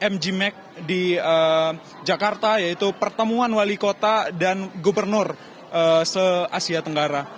kemudian kemarin kita juga dilibatkan dalam mgmax di jakarta yaitu pertemuan wali kota dan gubernur se asia tenggara